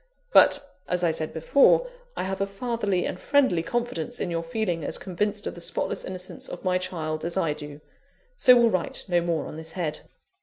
But, as I said before, I have a fatherly and friendly confidence in your feeling as convinced of the spotless innocence of my child as I do. So will write no more on this head.